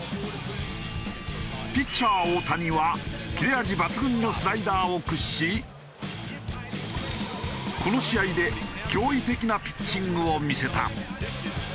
ピッチャー大谷は切れ味抜群のスライダーを駆使しこの試合で驚異的なピッチングを見せた。